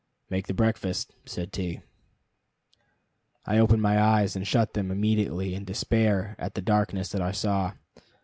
"Make the breakfast," said T . I opened my eyes, and shut them immediately in despair at the darkness that I saw.